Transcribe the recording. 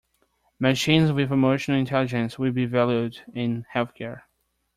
Machines with emotional intelligence will be valued in healthcare.